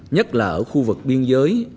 nhất là ở khu vực biên giới